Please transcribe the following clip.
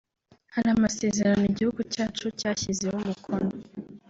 Hari amasezerano igihugu cyacu cyashyizeho umukono